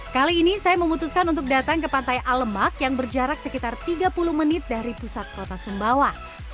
kali ini saya memutuskan untuk datang ke pantai alemak yang berjarak sekitar tiga puluh menit dari pusat kota sumbawa